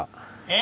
え？